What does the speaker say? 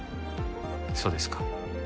そうですか。